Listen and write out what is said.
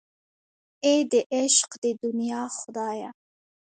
اې د عشق د دنیا خدایه.